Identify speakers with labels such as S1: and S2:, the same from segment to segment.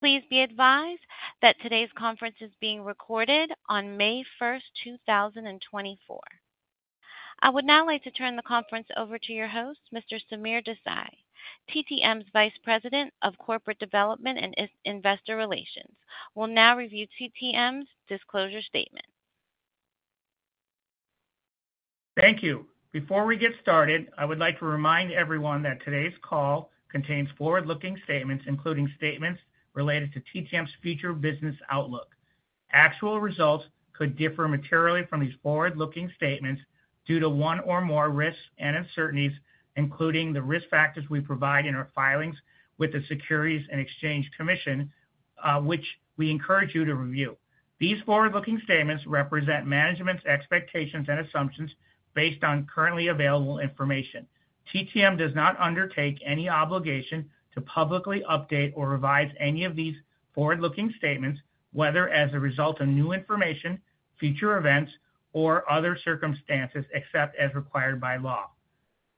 S1: Please be advised that today's conference is being recorded on May 1, 2024. I would now like to turn the conference over to your host, Mr. Sameer Desai, TTM's Vice President of Corporate Development and Investor Relations. We'll now review TTM's disclosure statement.
S2: Thank you. Before we get started, I would like to remind everyone that today's call contains forward-looking statements, including statements related to TTM's future business outlook. Actual results could differ materially from these forward-looking statements due to one or more risks and uncertainties, including the risk factors we provide in our filings with the Securities and Exchange Commission, which we encourage you to review. These forward-looking statements represent management's expectations and assumptions based on currently available information. TTM does not undertake any obligation to publicly update or revise any of these forward-looking statements, whether as a result of new information, future events, or other circumstances except as required by law.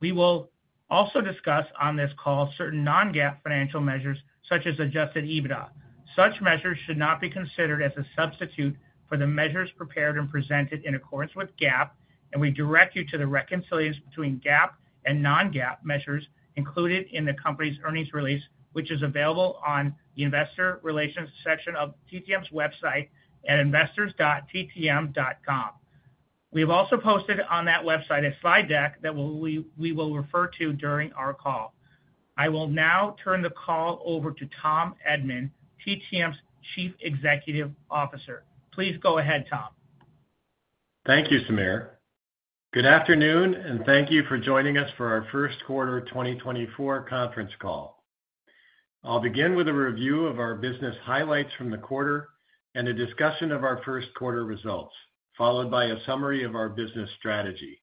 S2: We will also discuss on this call certain Non-GAAP financial measures, such as Adjusted EBITDA. Such measures should not be considered as a substitute for the measures prepared and presented in accordance with GAAP, and we direct you to the reconciliations between GAAP and non-GAAP measures included in the company's earnings release, which is available on the Investor Relations section of TTM's website at investors.ttm.com. We have also posted on that website a slide deck that we will refer to during our call. I will now turn the call over to Tom Edman, TTM's Chief Executive Officer. Please go ahead, Tom.
S3: Thank you, Sameer. Good afternoon, and thank you for joining us for our First Quarter 2024 Conference Call. I'll begin with a review of our business highlights from the quarter and a discussion of our first quarter results, followed by a summary of our business strategy.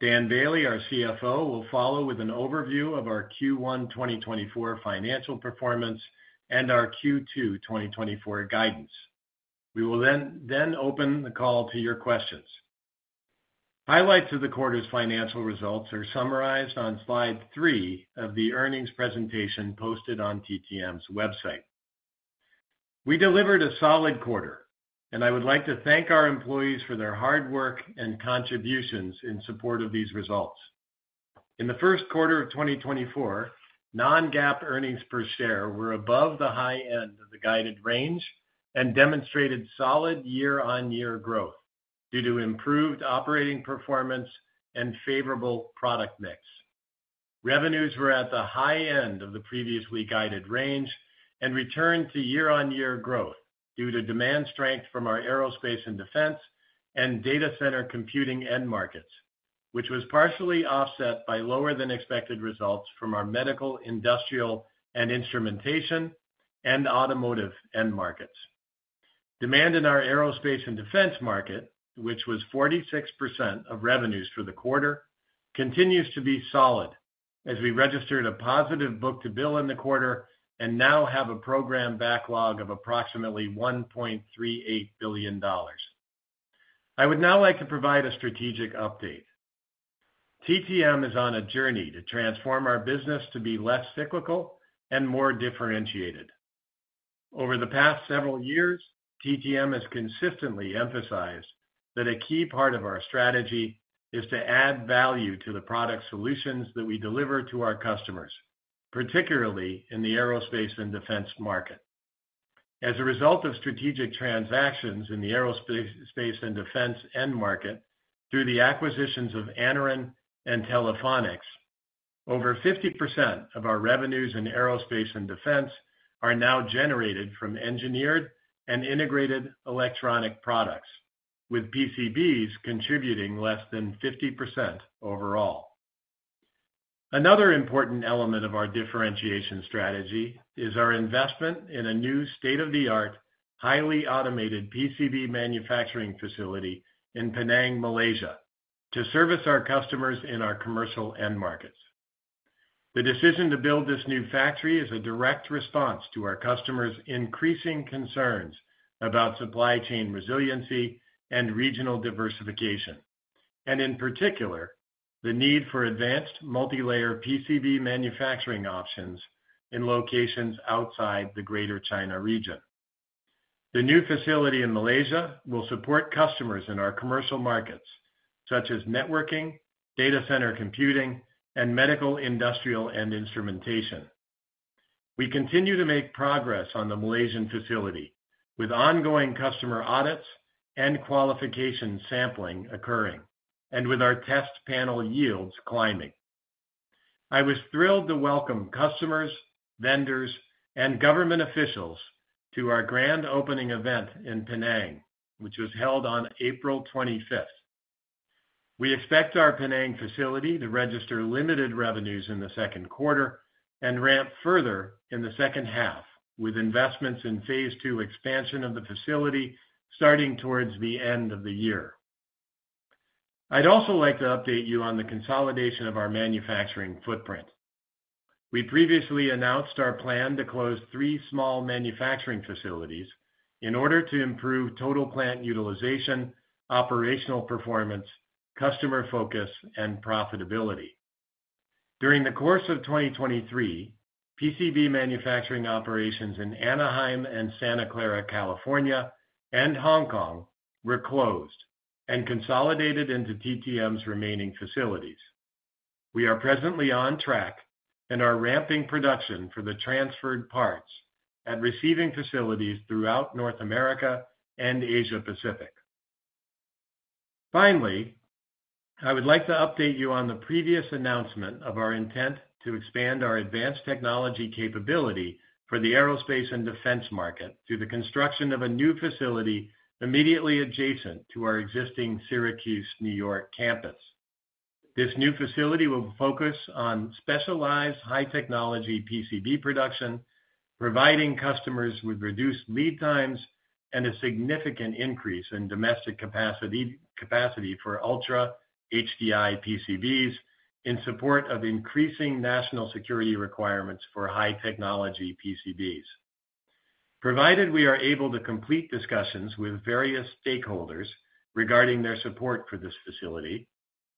S3: Dan Bailey, our CFO, will follow with an overview of our Q1 2024 financial performance and our Q2 2024 guidance. We will then open the call to your questions. Highlights of the quarter's financial results are summarized on Slide 3 of the earnings presentation posted on TTM's website. We delivered a solid quarter, and I would like to thank our employees for their hard work and contributions in support of these results. In the first quarter of 2024, non-GAAP earnings per share were above the high end of the guided range and demonstrated solid year-over-year growth due to improved operating performance and favorable product mix. Revenues were at the high end of the previously guided range and returned to year-over-year growth due to demand strength from our aerospace and defense and data center computing end markets, which was partially offset by lower-than-expected results from our medical, industrial, and instrumentation and automotive end markets. Demand in our aerospace and defense market, which was 46% of revenues for the quarter, continues to be solid as we registered a positive book-to-bill in the quarter and now have a program backlog of approximately $1.38 billion. I would now like to provide a strategic update. TTM is on a journey to transform our business to be less cyclical and more differentiated. Over the past several years, TTM has consistently emphasized that a key part of our strategy is to add value to the product solutions that we deliver to our customers, particularly in the aerospace and defense market. As a result of strategic transactions in the aerospace and defense end market through the acquisitions of Anaren and Telephonics, over 50% of our revenues in aerospace and defense are now generated from engineered and integrated electronic products, with PCBs contributing less than 50% overall. Another important element of our differentiation strategy is our investment in a new state-of-the-art, highly automated PCB manufacturing facility in Penang, Malaysia, to service our customers in our commercial end markets. The decision to build this new factory is a direct response to our customers' increasing concerns about supply chain resiliency and regional diversification, and in particular, the need for advanced multilayer PCB manufacturing options in locations outside the Greater China region. The new facility in Malaysia will support customers in our commercial markets, such as networking, data center computing, and medical, industrial, and instrumentation. We continue to make progress on the Malaysian facility, with ongoing customer audits and qualification sampling occurring and with our test panel yields climbing. I was thrilled to welcome customers, vendors, and government officials to our grand opening event in Penang, which was held on April 25. We expect our Penang facility to register limited revenues in the second quarter and ramp further in the second half, with investments in phase two expansion of the facility starting towards the end of the year. I'd also like to update you on the consolidation of our manufacturing footprint. We previously announced our plan to close three small manufacturing facilities in order to improve total plant utilization, operational performance, customer focus, and profitability. During the course of 2023, PCB manufacturing operations in Anaheim and Santa Clara, California, and Hong Kong were closed and consolidated into TTM's remaining facilities. We are presently on track and are ramping production for the transferred parts at receiving facilities throughout North America and Asia-Pacific. Finally, I would like to update you on the previous announcement of our intent to expand our advanced technology capability for the aerospace and defense market through the construction of a new facility immediately adjacent to our existing Syracuse, New York, campus. This new facility will focus on specialized high-technology PCB production, providing customers with reduced lead times and a significant increase in domestic capacity for Ultra HDI PCBs in support of increasing national security requirements for high-technology PCBs. Provided we are able to complete discussions with various stakeholders regarding their support for this facility,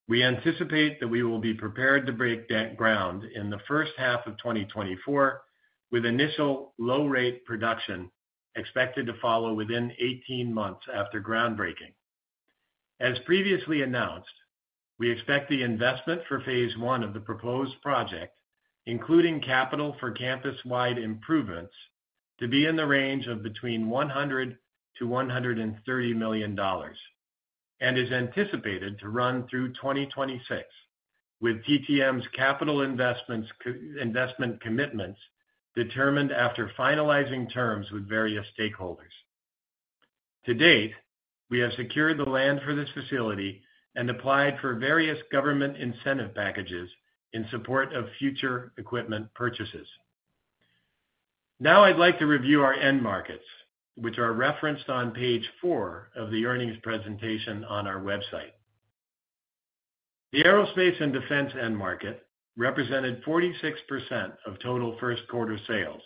S3: we anticipate that we will be prepared to break ground in the first half of 2024 with initial low-rate production expected to follow within 18 months after groundbreaking. As previously announced, we expect the investment for phase one of the proposed project, including capital for campus-wide improvements, to be in the range of between $100-$130 million and is anticipated to run through 2026, with TTM's capital investment commitments determined after finalizing terms with various stakeholders. To date, we have secured the land for this facility and applied for various government incentive packages in support of future equipment purchases. Now I'd like to review our end markets, which are referenced on page 4 of the earnings presentation on our website. The Aerospace and Defense end market represented 46% of total first quarter sales,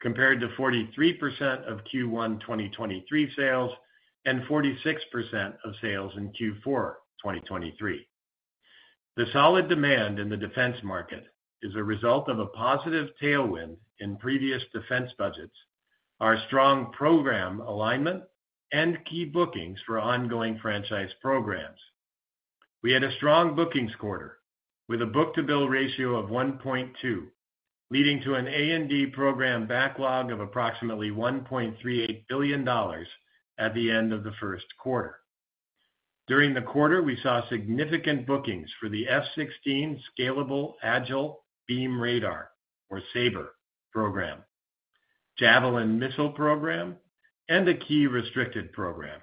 S3: compared to 43% of Q1 2023 sales and 46% of sales in Q4 2023. The solid demand in the defense market is a result of a positive tailwind in previous defense budgets, our strong program alignment, and key bookings for ongoing franchise programs. We had a strong bookings quarter with a book-to-bill ratio of 1.2, leading to an A&D program backlog of approximately $1.38 billion at the end of the first quarter. During the quarter, we saw significant bookings for the F-16 Scalable Agile Beam Radar, or SABR, program, Javelin missile program, and a key restricted program.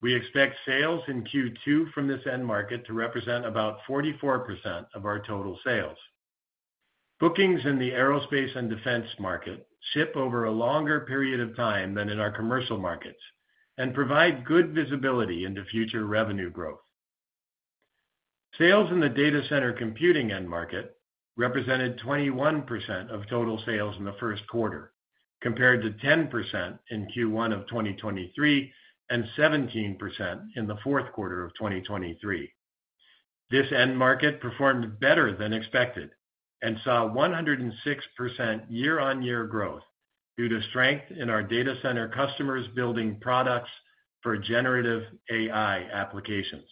S3: We expect sales in Q2 from this end market to represent about 44% of our total sales. Bookings in the aerospace and defense market ship over a longer period of time than in our commercial markets and provide good visibility into future revenue growth. Sales in the data center computing end market represented 21% of total sales in the first quarter, compared to 10% in Q1 of 2023 and 17% in the fourth quarter of 2023. This end market performed better than expected and saw 106% year-on-year growth due to strength in our data center customers building products for generative AI applications.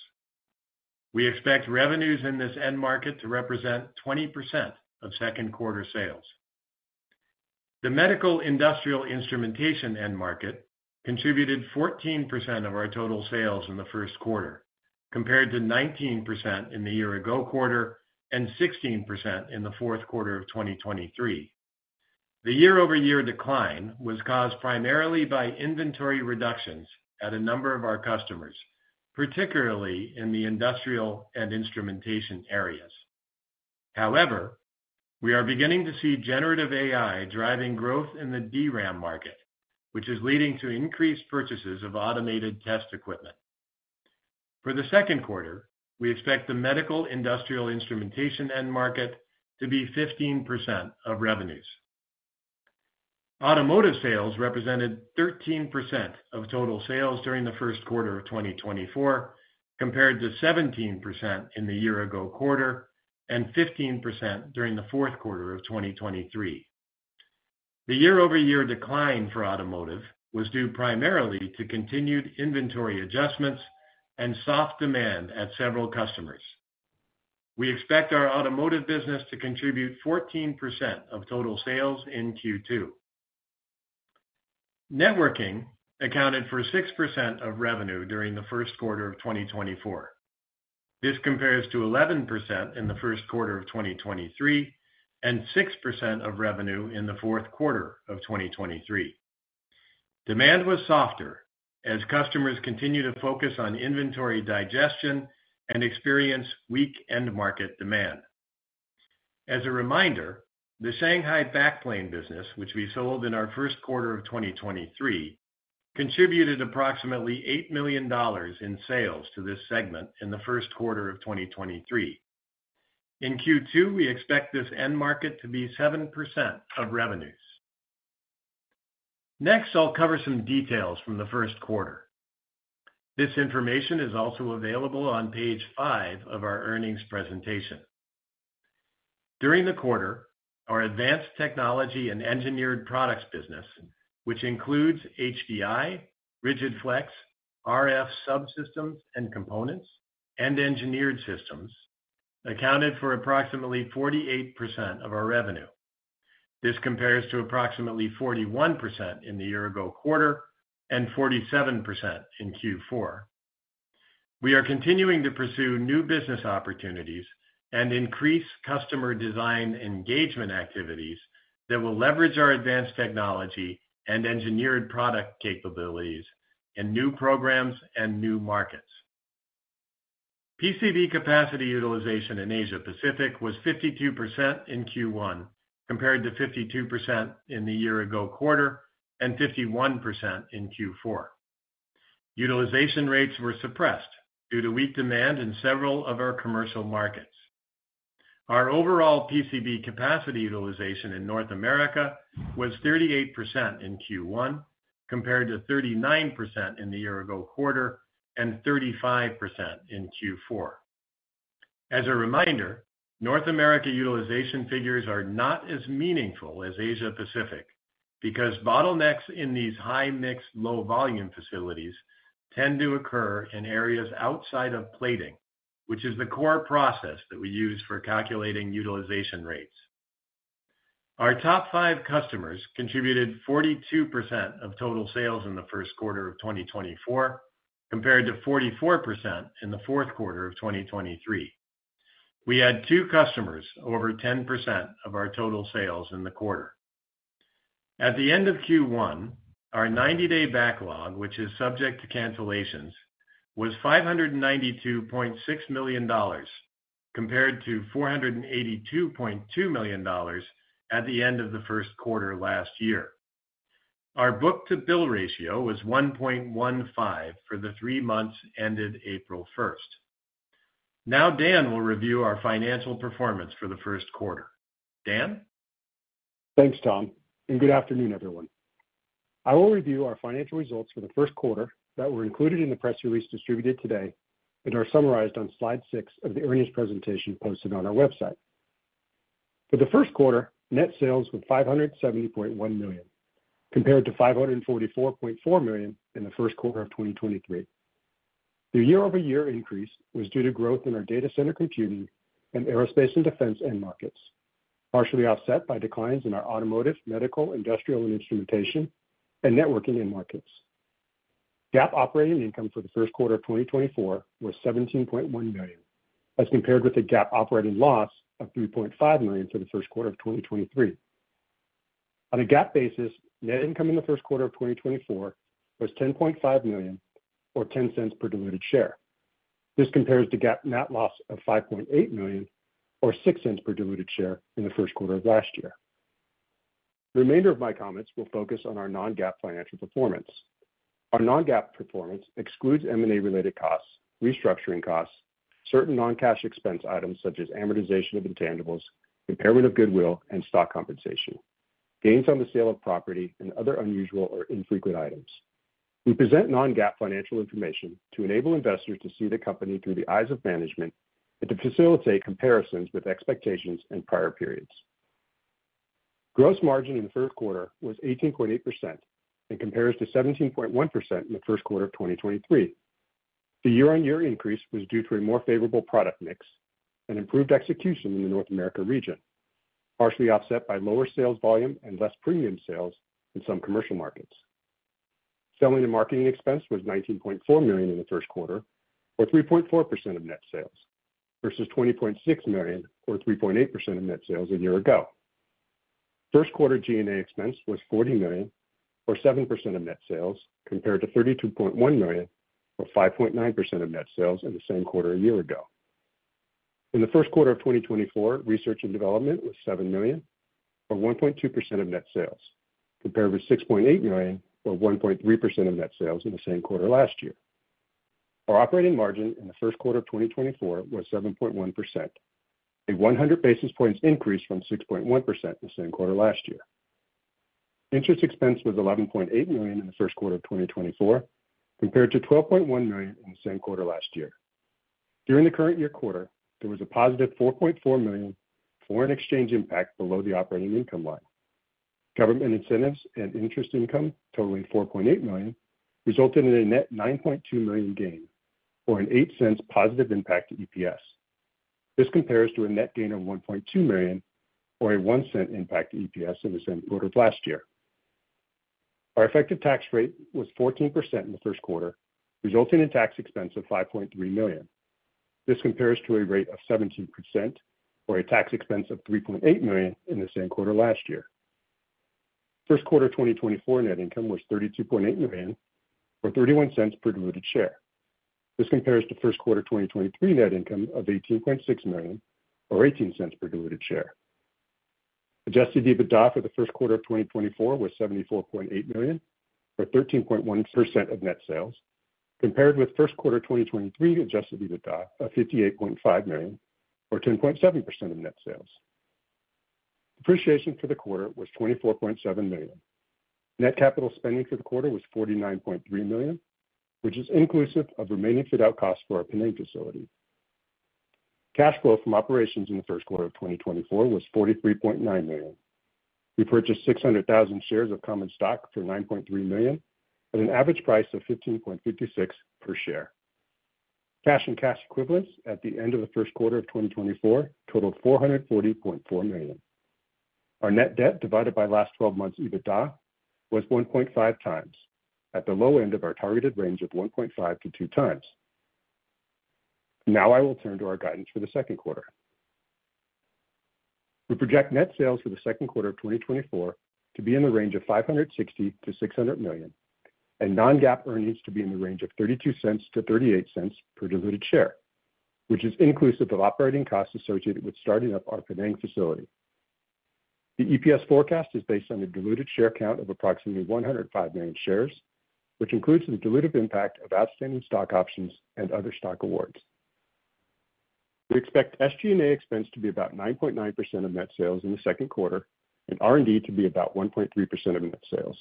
S3: We expect revenues in this end market to represent 20% of second quarter sales. The medical, industrial, instrumentation end market contributed 14% of our total sales in the first quarter, compared to 19% in the year-ago quarter and 16% in the fourth quarter of 2023. The year-over-year decline was caused primarily by inventory reductions at a number of our customers, particularly in the industrial and instrumentation areas. However, we are beginning to see Generative AI driving growth in the DRAM market, which is leading to increased purchases of automated test equipment. For the second quarter, we expect the medical, industrial, instrumentation end market to be 15% of revenues. Automotive sales represented 13% of total sales during the first quarter of 2024, compared to 17% in the year-ago quarter and 15% during the fourth quarter of 2023. The year-over-year decline for automotive was due primarily to continued inventory adjustments and soft demand at several customers. We expect our automotive business to contribute 14% of total sales in Q2. Networking accounted for 6% of revenue during the first quarter of 2024. This compares to 11% in the first quarter of 2023 and 6% of revenue in the fourth quarter of 2023. Demand was softer as customers continued to focus on inventory digestion and experience weak end market demand. As a reminder, the Shanghai Backplane business, which we sold in our first quarter of 2023, contributed approximately $8 million in sales to this segment in the first quarter of 2023. In Q2, we expect this end market to be 7% of revenues. Next, I'll cover some details from the first quarter. This information is also available on Page 5 of our earnings presentation. During the quarter, our advanced technology and engineered products business, which includes HDI, Rigid-Flex, RF subsystems and components, and engineered systems, accounted for approximately 48% of our revenue. This compares to approximately 41% in the year-ago quarter and 47% in Q4. We are continuing to pursue new business opportunities and increase customer design engagement activities that will leverage our advanced technology and engineered product capabilities in new programs and new markets. PCB capacity utilization in Asia-Pacific was 52% in Q1, compared to 52% in the year-ago quarter and 51% in Q4. Utilization rates were suppressed due to weak demand in several of our commercial markets. Our overall PCB capacity utilization in North America was 38% in Q1, compared to 39% in the year-ago quarter and 35% in Q4. As a reminder, North America utilization figures are not as meaningful as Asia-Pacific because bottlenecks in these high-mix, low-volume facilities tend to occur in areas outside of plating, which is the core process that we use for calculating utilization rates. Our top five customers contributed 42% of total sales in the first quarter of 2024, compared to 44% in the fourth quarter of 2023. We had two customers over 10% of our total sales in the quarter. At the end of Q1, our 90-day backlog, which is subject to cancellations, was $592.6 million, compared to $482.2 million at the end of the first quarter last year. Our book-to-bill ratio was 1.15 for the three months ended April 1. Now Dan will review our financial performance for the first quarter. Dan?
S4: Thanks, Tom, and good afternoon, everyone. I will review our financial results for the first quarter that were included in the press release distributed today and are summarized on Slide 6 of the earnings presentation posted on our website. For the first quarter, net sales were $570.1 million, compared to $544.4 million in the first quarter of 2023. The year-over-year increase was due to growth in our data center computing and aerospace and defense end markets, partially offset by declines in our automotive, medical, industrial, and instrumentation and networking end markets. GAAP operating income for the first quarter of 2024 was $17.1 million, as compared with a GAAP operating loss of $3.5 million for the first quarter of 2023. On a GAAP basis, net income in the first quarter of 2024 was $10.5 million, or $0.10 per diluted share. This compares to GAAP net loss of $5.8 million, or $0.06 per diluted share, in the first quarter of last year. The remainder of my comments will focus on our non-GAAP financial performance. Our non-GAAP performance excludes M&A-related costs, restructuring costs, certain non-cash expense items such as amortization of intangibles, impairment of goodwill, and stock compensation, gains on the sale of property, and other unusual or infrequent items. We present non-GAAP financial information to enable investors to see the company through the eyes of management and to facilitate comparisons with expectations and prior periods. Gross margin in the first quarter was 18.8% and compares to 17.1% in the first quarter of 2023. The year-on-year increase was due to a more favorable product mix and improved execution in the North America region, partially offset by lower sales volume and less premium sales in some commercial markets. Selling and marketing expense was $19.4 million in the first quarter, or 3.4% of net sales, versus $20.6 million, or 3.8% of net sales a year ago. First quarter G&A expense was $40 million, or 7% of net sales, compared to $32.1 million, or 5.9% of net sales in the same quarter a year ago. In the first quarter of 2024, research and development was $7 million, or 1.2% of net sales, compared with $6.8 million, or 1.3% of net sales in the same quarter last year. Our operating margin in the first quarter of 2024 was 7.1%, a 100 basis points increase from 6.1% in the same quarter last year. Interest expense was $11.8 million in the first quarter of 2024, compared to $12.1 million in the same quarter last year. During the current year quarter, there was a positive $4.4 million foreign exchange impact below the operating income line. Government incentives and interest income, totaling $4.8 million, resulted in a net $9.2 million gain, or an $0.08 positive impact to EPS. This compares to a net gain of $1.2 million, or a $0.01 impact to EPS in the same quarter of last year. Our effective tax rate was 14% in the first quarter, resulting in tax expense of $5.3 million. This compares to a rate of 17%, or a tax expense of $3.8 million in the same quarter last year. First quarter 2024 net income was $32.8 million, or $0.31 per diluted share. This compares to first quarter 2023 net income of $18.6 million, or $0.18 per diluted share. Adjusted EBITDA for the first quarter of 2024 was $74.8 million, or 13.1% of net sales, compared with first quarter 2023 adjusted EBITDA of $58.5 million, or 10.7% of net sales. Depreciation for the quarter was $24.7 million. Net capital spending for the quarter was $49.3 million, which is inclusive of remaining fit-out costs for our Penang facility. Cash flow from operations in the first quarter of 2024 was $43.9 million. We purchased 600,000 shares of common stock for $9.3 million, at an average price of $15.56 per share. Cash and cash equivalents at the end of the first quarter of 2024 totaled $440.4 million. Our net debt divided by last 12 months' EBITDA was 1.5 times, at the low end of our targeted range of 1.5-2 times. Now I will turn to our guidance for the second quarter. We project net sales for the second quarter of 2024 to be in the range of $560 million-$600 million, and non-GAAP earnings to be in the range of $0.32-$0.38 per diluted share, which is inclusive of operating costs associated with starting up our Penang facility. The EPS forecast is based on a diluted share count of approximately 105 million shares, which includes the dilutive impact of outstanding stock options and other stock awards. We expect SG&A expense to be about 9.9% of net sales in the second quarter and R&D to be about 1.3% of net sales.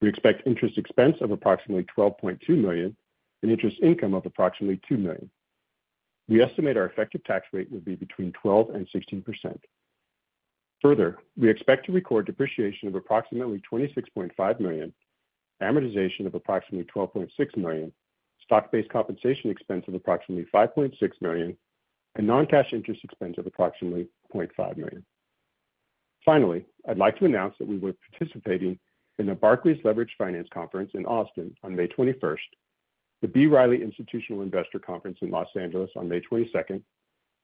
S4: We expect interest expense of approximately $12.2 million and interest income of approximately $2 million. We estimate our effective tax rate would be between 12%-16%. Further, we expect to record depreciation of approximately $26.5 million, amortization of approximately $12.6 million, stock-based compensation expense of approximately $5.6 million, and non-cash interest expense of approximately $0.5 million. Finally, I'd like to announce that we were participating in the Barclays Leveraged Finance Conference in Austin on May 21st, the B. Riley Institutional Investor Conference in Los Angeles on May 22nd,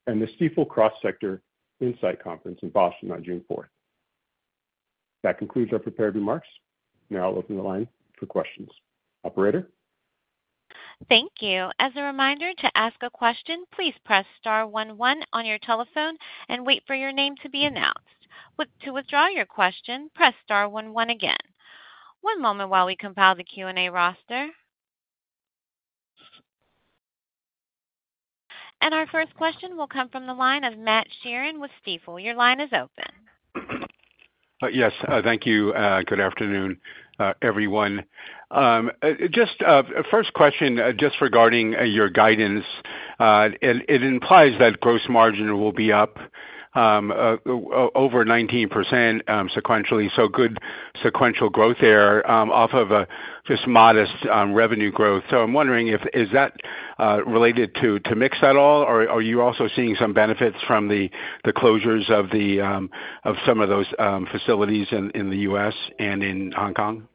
S4: and the Stifel Cross-Sector Insight Conference in Boston on June 4th. That concludes our prepared remarks. Now I'll open the line for questions. Operator?
S1: Thank you. As a reminder, to ask a question, please press star one one on your telephone and wait for your name to be announced. To withdraw your question, press star one one again. One moment while we compile the Q&A roster. Our first question will come from the line of Matt Sheerin with Stifel. Your line is open.
S5: Yes. Thank you. Good afternoon, everyone. First question, just regarding your guidance, it implies that gross margin will be up over 19% sequentially, so good sequential growth there off of just modest revenue growth. So I'm wondering, is that related to mix at all, or are you also seeing some benefits from the closures of some of those facilities in the U.S. and in Hong Kong?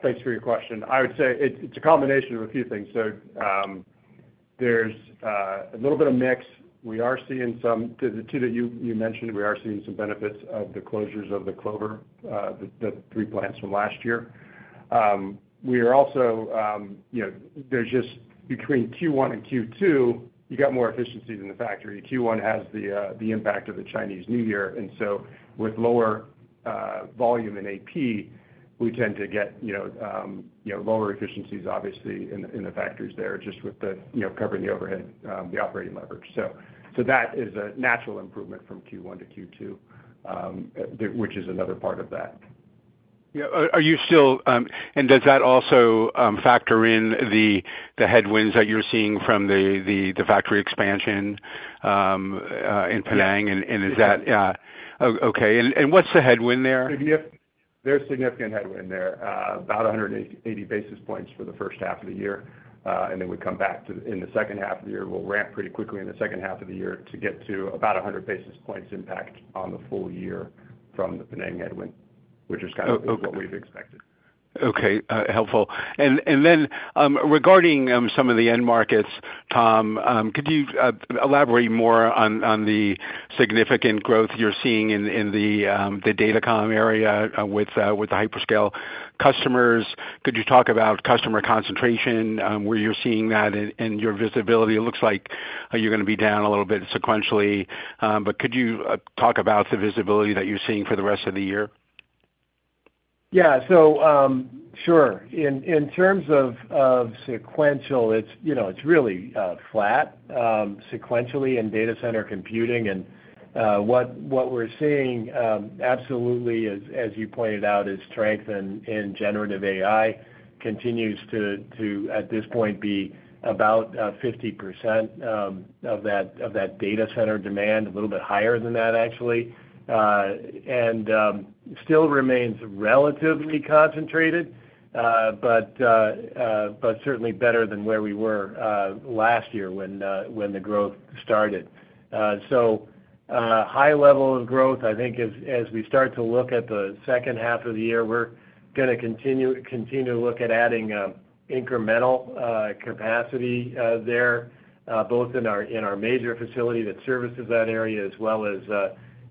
S4: Thanks for your question. I would say it's a combination of a few things. So there's a little bit of mix. We are seeing some of the two that you mentioned. We are seeing some benefits of the closure of the three plants from last year. There's just between Q1 and Q2, you got more efficiencies in the factory. Q1 has the impact of the Chinese New Year. And so with lower volume in AP, we tend to get lower efficiencies, obviously, in the factories there just with covering the overhead, the operating leverage. So that is a natural improvement from Q1 to Q2, which is another part of that.
S5: Yeah. Are you still and does that also factor in the headwinds that you're seeing from the factory expansion in Penang? And is that okay? And what's the headwind there?
S4: There's significant headwind there, about 180 basis points for the first half of the year. Then we come back to in the second half of the year, we'll ramp pretty quickly in the second half of the year to get to about 100 basis points impact on the full year from the Penang headwind, which is kind of what we've expected.
S5: Okay. Helpful. And then regarding some of the end markets, Tom, could you elaborate more on the significant growth you're seeing in the Datacom area with the hyperscale customers? Could you talk about customer concentration, where you're seeing that, and your visibility? It looks like you're going to be down a little bit sequentially. But could you talk about the visibility that you're seeing for the rest of the year?
S3: Yeah. So sure. In terms of sequential, it's really flat sequentially in data center computing. And what we're seeing, absolutely, as you pointed out, is strength in generative AI continues to, at this point, be about 50% of that data center demand, a little bit higher than that, actually, and still remains relatively concentrated, but certainly better than where we were last year when the growth started. So high level of growth, I think, as we start to look at the second half of the year, we're going to continue to look at adding incremental capacity there, both in our major facility that services that area as well as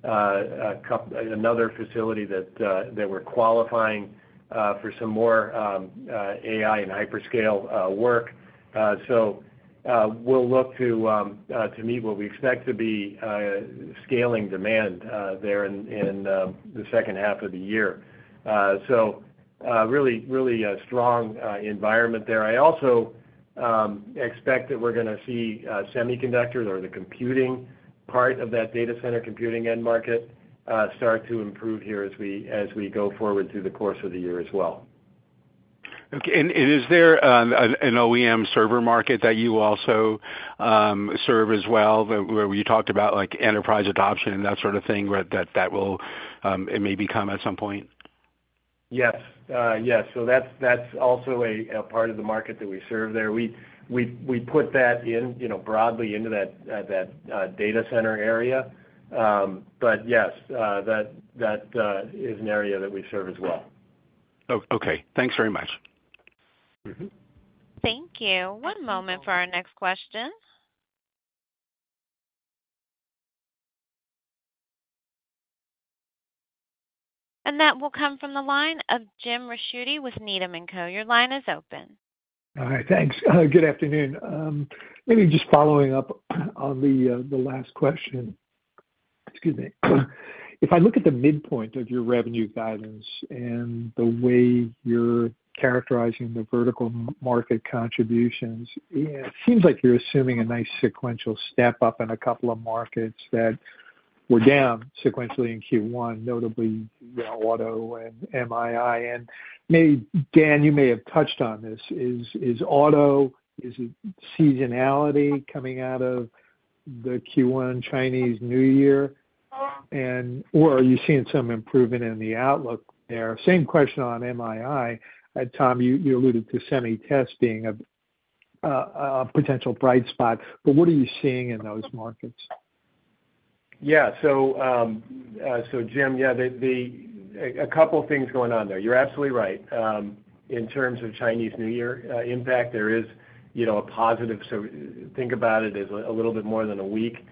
S3: another facility that we're qualifying for some more AI and hyperscale work. So we'll look to meet what we expect to be scaling demand there in the second half of the year. So really strong environment there. I also expect that we're going to see semiconductors or the computing part of that data center computing end market start to improve here as we go forward through the course of the year as well.
S5: Okay. And is there an OEM server market that you also serve as well, where you talked about enterprise adoption and that sort of thing, that it may become at some point?
S3: Yes. Yes. So that's also a part of the market that we serve there. We put that broadly into that data center area. But yes, that is an area that we serve as well.
S5: Okay. Thanks very much.
S1: Thank you. One moment for our next question. That will come from the line of Jim Ricchiuti with Needham & Company. Your line is open.
S6: All right. Thanks. Good afternoon. Maybe just following up on the last question. Excuse me. If I look at the midpoint of your revenue guidance and the way you're characterizing the vertical market contributions, it seems like you're assuming a nice sequential step up in a couple of markets that were down sequentially in Q1, notably auto and MII. And maybe, Dan, you may have touched on this. Is auto seasonality coming out of the Q1 Chinese New Year, or are you seeing some improvement in the outlook there? Same question on MII. Tom, you alluded to Semi-Test being a potential bright spot, but what are you seeing in those markets?
S3: Yeah. So Jim, yeah, a couple of things going on there. You're absolutely right. In terms of Chinese New Year impact, there is a positive, so think about it as a little bit more than a week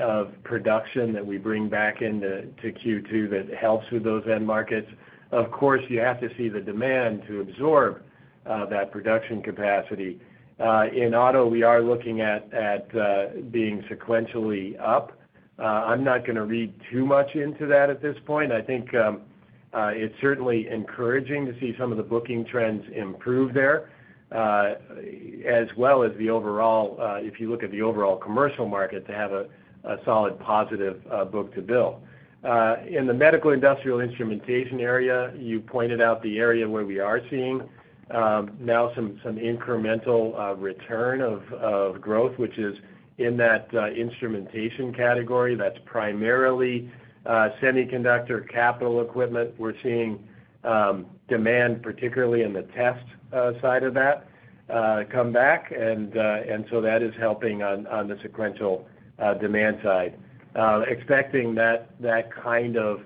S3: of production that we bring back into Q2 that helps with those end markets. Of course, you have to see the demand to absorb that production capacity. In auto, we are looking at being sequentially up. I'm not going to read too much into that at this point. I think it's certainly encouraging to see some of the booking trends improve there, as well as the overall, if you look at the overall commercial market, to have a solid positive book-to-bill. In the medical industrial instrumentation area, you pointed out the area where we are seeing now some incremental return of growth, which is in that instrumentation category. That's primarily semiconductor capital equipment. We're seeing demand, particularly in the test side of that, come back. And so that is helping on the sequential demand side. Expecting that kind of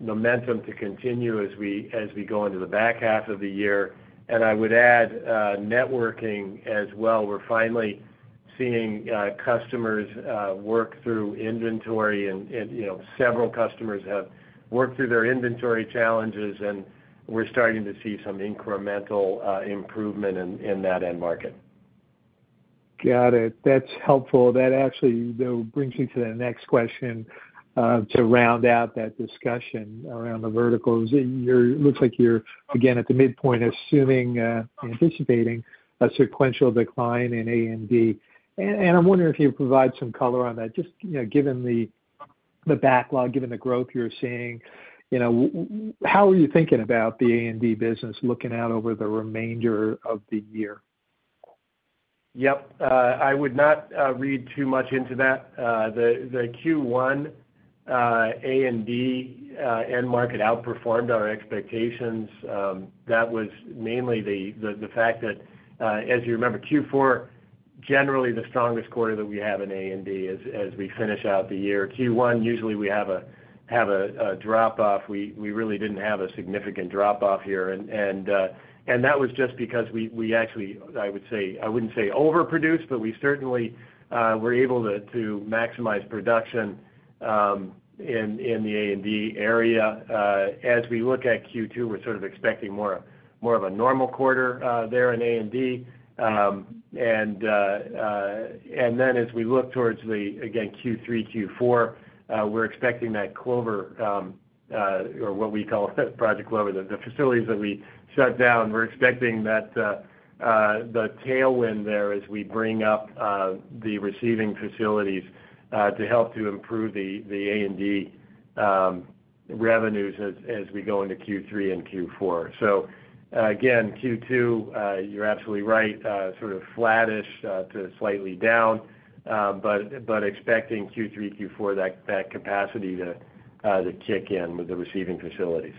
S3: momentum to continue as we go into the back half of the year. And I would add networking as well. We're finally seeing customers work through inventory, and several customers have worked through their inventory challenges. And we're starting to see some incremental improvement in that end market.
S6: Got it. That's helpful. That actually brings me to the next question to round out that discussion around the verticals. It looks like you're, again, at the midpoint, anticipating a sequential decline in A&D. And I'm wondering if you could provide some color on that. Just given the backlog, given the growth you're seeing, how are you thinking about the A&D business looking out over the remainder of the year?
S3: Yep. I would not read too much into that. The Q1 A&D end market outperformed our expectations. That was mainly the fact that, as you remember, Q4, generally, the strongest quarter that we have in A&D as we finish out the year. Q1, usually, we have a drop-off. We really didn't have a significant drop-off here. And that was just because we actually, I would say I wouldn't say overproduced, but we certainly were able to maximize production in the A&D area. As we look at Q2, we're sort of expecting more of a normal quarter there in A&D. And then as we look towards the, again, Q3, Q4, we're expecting that Clover or what we call Project Clover, the facilities that we shut down, we're expecting that the tailwind there as we bring up the receiving facilities to help to improve the A&D revenues as we go into Q3 and Q4. So again, Q2, you're absolutely right, sort of flattish to slightly down, but expecting Q3, Q4, that capacity to kick in with the receiving facilities.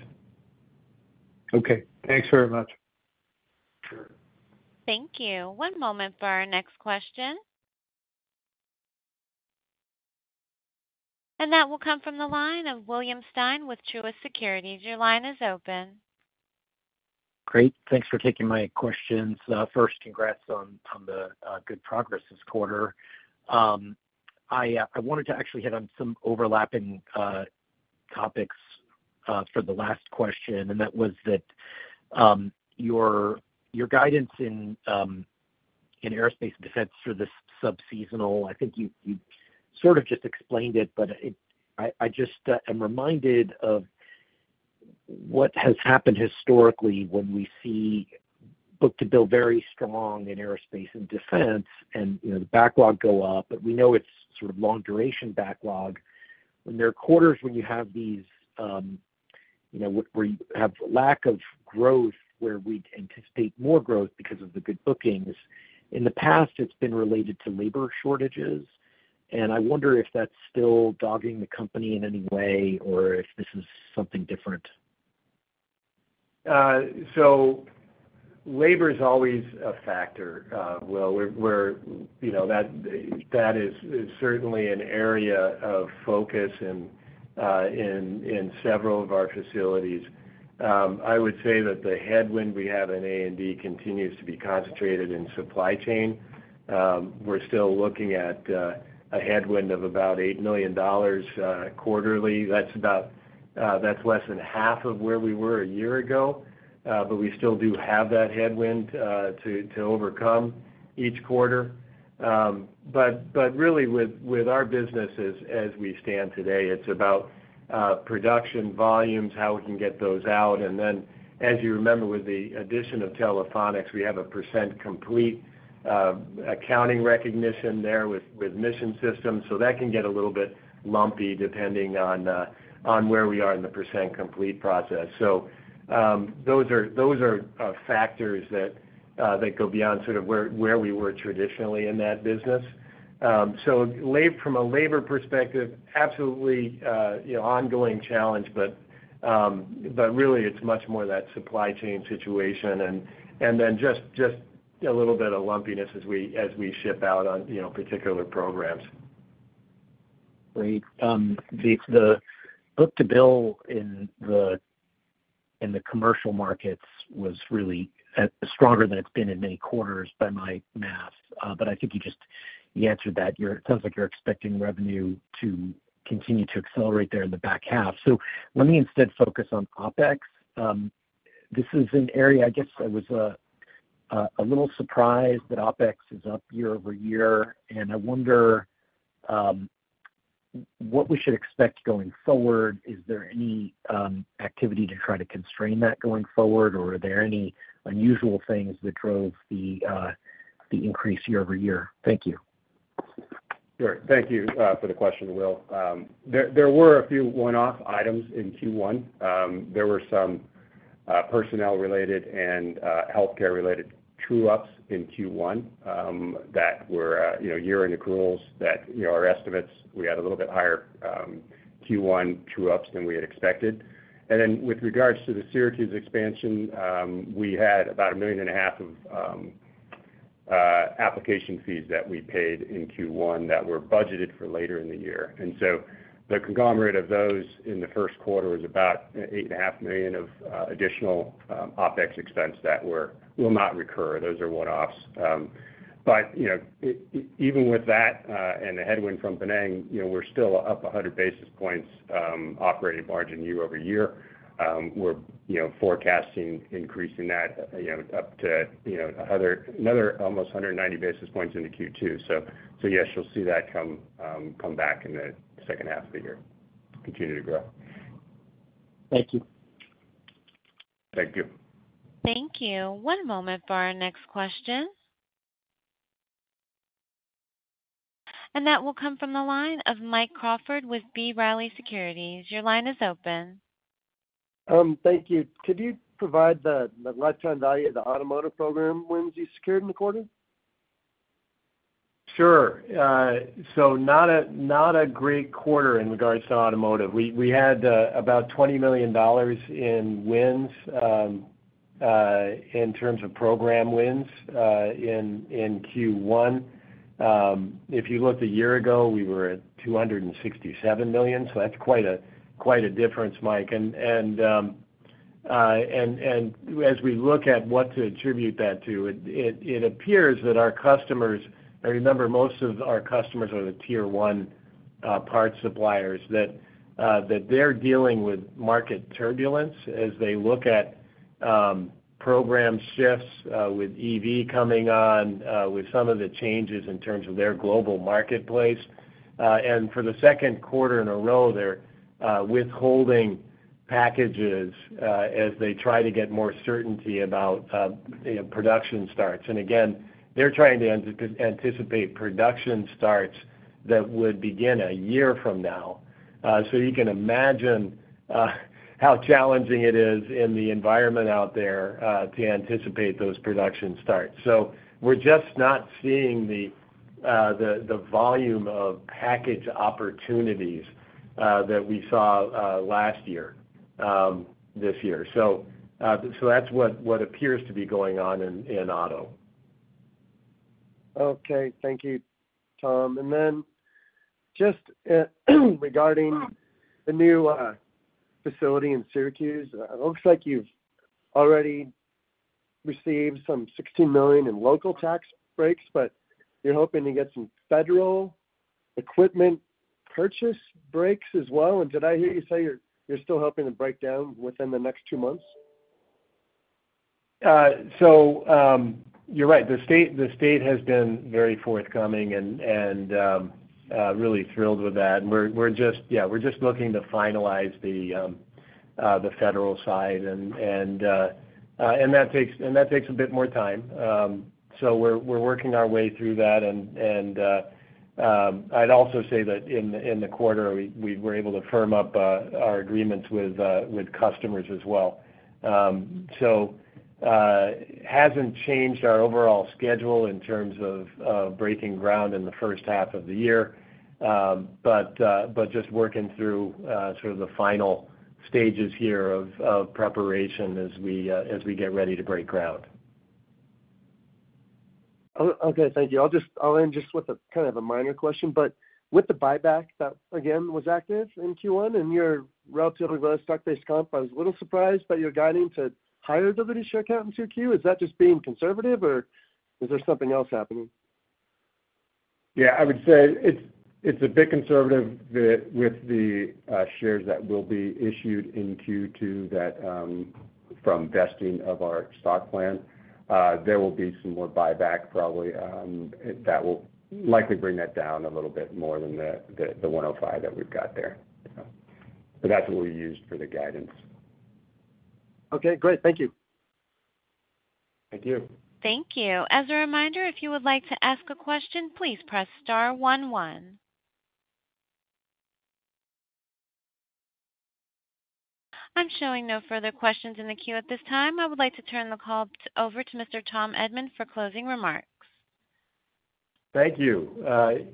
S6: Okay. Thanks very much.
S1: Thank you. One moment for our next question. That will come from the line of William Stein with Truist Securities. Your line is open.
S7: Great. Thanks for taking my questions. First, congrats on the good progress this quarter. I wanted to actually hit on some overlapping topics for the last question, and that was that your guidance in Aerospace and Defense for this subseasonal I think you sort of just explained it, but I just am reminded of what has happened historically when we see book-to-bill very strong in Aerospace and Defense, and the backlog go up. But we know it's sort of long-duration backlog. When there are quarters when you have these where you have lack of growth where we'd anticipate more growth because of the good bookings, in the past, it's been related to labor shortages. I wonder if that's still dogging the company in any way or if this is something different.
S3: So labor is always a factor, Will. That is certainly an area of focus in several of our facilities. I would say that the headwind we have in A&D continues to be concentrated in supply chain. We're still looking at a headwind of about $8 million quarterly. That's less than half of where we were a year ago, but we still do have that headwind to overcome each quarter. But really, with our business as we stand today, it's about production volumes, how we can get those out. And then, as you remember, with the addition of Telephonics, we have a percent complete accounting recognition there with mission systems. So those are factors that go beyond sort of where we were traditionally in that business. From a labor perspective, absolutely ongoing challenge, but really, it's much more that supply chain situation and then just a little bit of lumpiness as we ship out on particular programs.
S7: Great. The book-to-bill in the commercial markets was really stronger than it's been in many quarters by my math. But I think you answered that. It sounds like you're expecting revenue to continue to accelerate there in the back half. So let me instead focus on OpEx. This is an area I guess I was a little surprised that OpEx is up year-over-year. And I wonder what we should expect going forward. Is there any activity to try to constrain that going forward, or are there any unusual things that drove the increase year-over-year? Thank you.
S3: Sure. Thank you for the question, Will. There were a few one-off items in Q1. There were some personnel-related and healthcare-related true-ups in Q1 that were year-end accruals that our estimates we had a little bit higher Q1 true-ups than we had expected. And then with regards to the Syracuse expansion, we had about $1.5 million of application fees that we paid in Q1 that were budgeted for later in the year. And so the conglomerate of those in the first quarter is about $8.5 million of additional OpEx expense that will not recur. Those are one-offs. But even with that and the headwind from Penang, we're still up 100 basis points operating margin year-over-year. We're forecasting increasing that up to another almost 190 basis points into Q2. So yes, you'll see that come back in the second half of the year, continue to grow.
S7: Thank you.
S3: Thank you.
S1: Thank you. One moment for our next question. That will come from the line of Mike Crawford with B. Riley Securities. Your line is open.
S8: Thank you. Could you provide the lifetime value of the automotive program wins you secured in the quarter?
S3: Sure. So not a great quarter in regards to automotive. We had about $20 million in wins in terms of program wins in Q1. If you looked a year ago, we were at $267 million. So that's quite a difference, Mike. And as we look at what to attribute that to, it appears that our customers I remember most of our customers are the tier-one part suppliers, that they're dealing with market turbulence as they look at program shifts with EV coming on, with some of the changes in terms of their global marketplace. And for the second quarter in a row, they're withholding packages as they try to get more certainty about production starts. And again, they're trying to anticipate production starts that would begin a year from now. So you can imagine how challenging it is in the environment out there to anticipate those production starts. We're just not seeing the volume of package opportunities that we saw last year this year. That's what appears to be going on in auto.
S8: Okay. Thank you, Tom. Then just regarding the new facility in Syracuse, it looks like you've already received some $16 million in local tax breaks, but you're hoping to get some federal equipment purchase breaks as well. Did I hear you say you're still hoping to break ground within the next two months?
S3: So you're right. The state has been very forthcoming and really thrilled with that. And yeah, we're just looking to finalize the federal side. And that takes a bit more time. So we're working our way through that. And I'd also say that in the quarter, we were able to firm up our agreements with customers as well. So it hasn't changed our overall schedule in terms of breaking ground in the first half of the year, but just working through sort of the final stages here of preparation as we get ready to break ground.
S8: Okay. Thank you. I'll end just with kind of a minor question. But with the buyback that, again, was active in Q1 and your relatively low stock-based comp, I was a little surprised by your guiding to higher weighted share count in Q2. Is that just being conservative, or is there something else happening?
S3: Yeah. I would say it's a bit conservative with the shares that will be issued in Q2 from vesting of our stock plan. There will be some more buyback probably that will likely bring that down a little bit more than the 105 that we've got there. But that's what we used for the guidance.
S8: Okay. Great. Thank you.
S3: Thank you.
S1: Thank you. As a reminder, if you would like to ask a question, please press star one one. I'm showing no further questions in the queue at this time. I would like to turn the call over to Mr. Tom Edman for closing remarks.
S3: Thank you.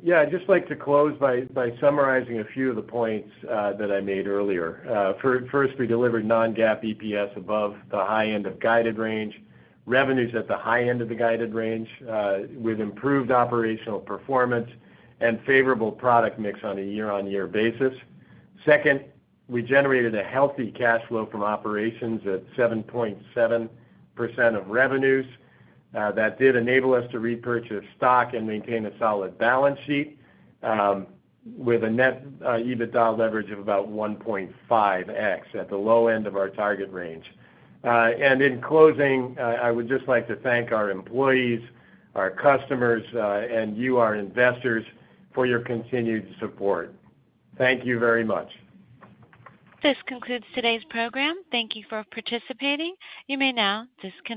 S3: Yeah. I'd just like to close by summarizing a few of the points that I made earlier. First, we delivered non-GAAP EPS above the high end of guided range, revenues at the high end of the guided range with improved operational performance and favorable product mix on a year-on-year basis. Second, we generated a healthy cash flow from operations at 7.7% of revenues. That did enable us to repurchase stock and maintain a solid balance sheet with a net EBITDA leverage of about 1.5x at the low end of our target range. And in closing, I would just like to thank our employees, our customers, and you, our investors, for your continued support. Thank you very much.
S1: This concludes today's program. Thank you for participating. You may now disconnect.